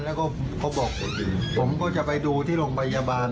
แล้วก็เขาบอกผมก็จะไปดูที่โรงพยาบาล